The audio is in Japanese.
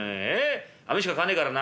飴しか買わねえからな。